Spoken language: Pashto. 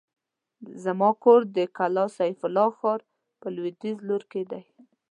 زما کور د کلا سيف الله ښار په لوېديځ لور کې دی.